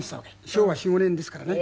昭和４５年ですからね。